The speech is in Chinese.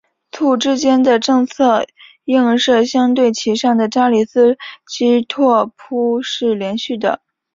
簇之间的正则映射相对其上的扎里斯基拓扑是连续的。